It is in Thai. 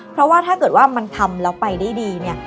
เพราะว่าถ้าเกิดว่ามันทำแล้วไปได้ดีเนี่ย